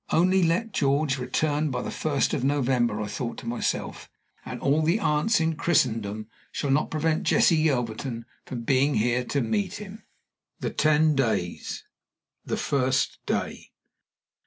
"Only let George return by the first of November," I thought to myself, "and all the aunts in Christendom shall not prevent Jessie Yelverton from being here to meet him." THE TEN DAYS. THE FIRST DAY.